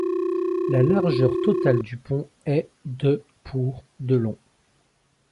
La largeur total du pont est de pour de long.